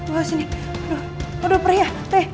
aduh perih ya